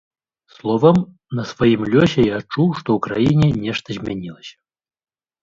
Словам, на сваім лёсе я адчуў, што ў краіне нешта змянілася.